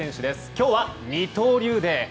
今日は二刀流デー。